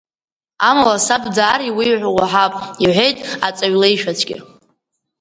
Амала, саб даар иуеиҳәо уаҳәап иҳәеит аҵаҩ леишәацәгьа.